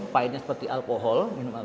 pahitnya seperti alkohol